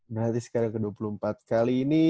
berarti sekarang ke dua puluh empat kali ini